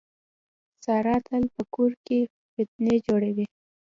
ساره تل په کور کې فتنې جوړوي.